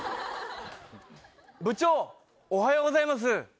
部長、おはようございます。